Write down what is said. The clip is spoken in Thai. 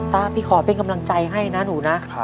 พี่ขอเป็นกำลังใจให้นะหนูนะ